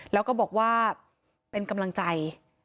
แล้วก็บอกว่าเป็นกำลังใจ